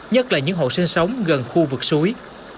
nhất là những hộ sinh sống gần khu vực suối